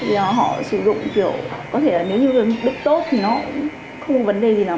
vì họ sử dụng kiểu có thể là nếu như là mục đích tốt thì nó cũng không có vấn đề gì lắm